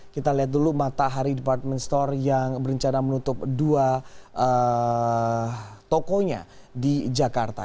kita lihat dulu matahari department store yang berencana menutup dua tokonya di jakarta